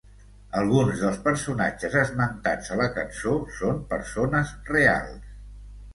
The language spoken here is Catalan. Alguns dels personatges esmentats a la cançó són persones reals.